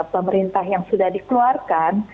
pemerintah yang sudah dikeluarkan